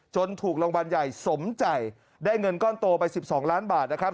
ถูกรางวัลใหญ่สมใจได้เงินก้อนโตไป๑๒ล้านบาทนะครับ